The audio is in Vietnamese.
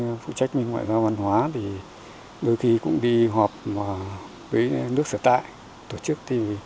công tác phụ trách ngoại giao văn hóa thì đôi khi cũng đi họp với nước sửa tại tổ chức